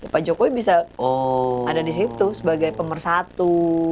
pak jokowi bisa ada di situ sebagai pemersatu